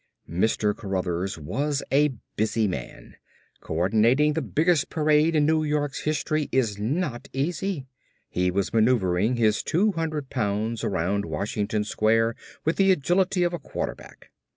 _ Mr. Cruthers was a busy man. Coordinating the biggest parade in New York's history is not easy. He was maneuvering his two hundred pounds around Washington Square with the agility of a quarterback.